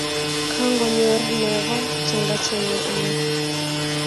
Kangonyor nego chegachenge inne